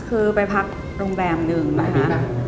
คือไปพักโรงแรมนึงนะคะ